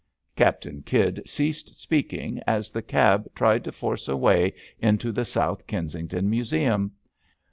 '^ Captain Kydd ceased speaking as the cab tried to force a way into the South Kensington Museum.